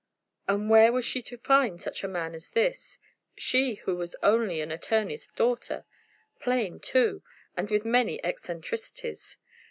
And where was she to find such a man as this? she who was only an attorney's daughter, plain, too, and with many eccentricities.